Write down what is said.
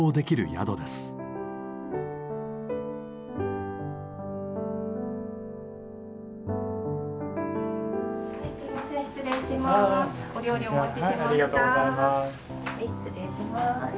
ありがとうございます。